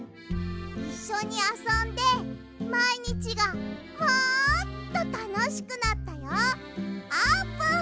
いっしょにあそんでまいにちがもっとたのしくなったよあーぷん！